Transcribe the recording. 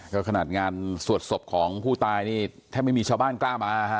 ก็ขนาดงานสวดศพของผู้ตายนี่แทบไม่มีชาวบ้านกล้ามาฮะ